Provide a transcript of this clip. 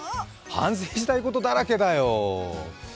反省したいことだらけだよ。